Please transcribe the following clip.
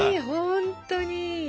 ほんとに！